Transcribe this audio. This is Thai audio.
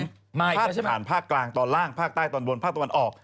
จะผ่านภาคกลางตอนล่างภาคใต้ตอนบนภาคตะวันออก